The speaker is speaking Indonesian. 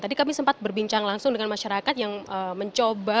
tadi kami sempat berbincang langsung dengan masyarakat yang mencoba